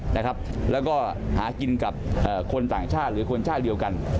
แล้วก็หากินกับคนต่างชาติหรือคนชาติเดียวกัน